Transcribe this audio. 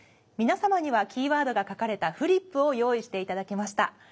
皆様にはキーワードが書かれたフリップを用意していただきました。